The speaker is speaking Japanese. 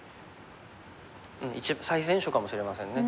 最善手かもしれませんね。